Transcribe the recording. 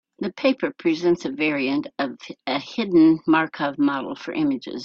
The paper presents a variant of a hidden Markov model for images.